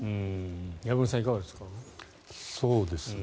山村さん、いかがですか？